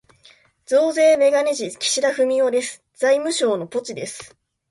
増税めがね事、岸田文雄です。財務省のポチです。